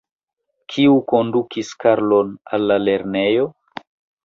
Kiu kondukis Karlon al la lernejo?